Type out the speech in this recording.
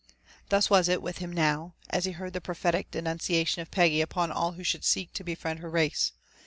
Thus was it with him now, as he heard the prophetic denunciation of Peggy upon all who should seek to befriend her race.